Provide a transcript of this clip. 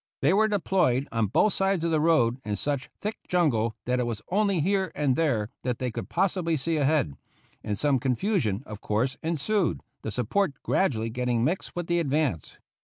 They were deployed on both sides of the road in such thick jungle that it was only here and there that they could possibly see ahead, and some confusion, of course, ensued, the support gradually getting mixed with the advance.